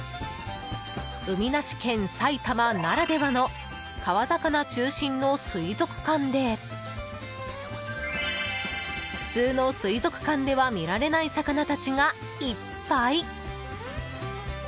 海なし県、埼玉ならではの川魚中心の水族館で普通の水族館では見られない魚たちがいっぱい。